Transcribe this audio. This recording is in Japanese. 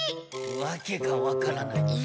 わけがわからない。